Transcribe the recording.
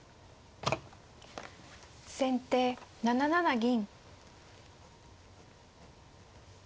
先手７七銀。